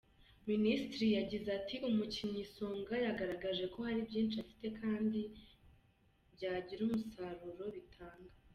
Mcnstry yagize ati “ Umukinnyi Songa yagaragaje ko hari byinshi afite kandi byagira umusaro bitanga.